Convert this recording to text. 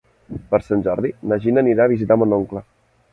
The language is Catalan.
Per Sant Jordi na Gina anirà a visitar mon oncle.